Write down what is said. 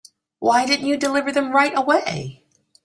Why didn't you deliver them right away?